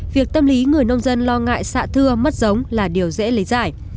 việc tâm lý người nông dân lo ngại xạ thưa mất giống là điều dễ lý giải